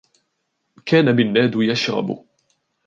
كان منّاد يشرب.